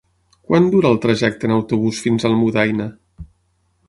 Quant dura el trajecte en autobús fins a Almudaina?